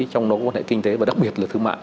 trong đó có quan hệ kinh tế và đặc biệt là thương mại